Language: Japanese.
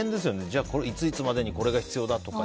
じゃあ、いついつまでにこれが必要とか